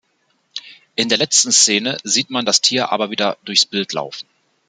In der letzten Szene sieht man das Tier aber wieder durchs Bild laufen.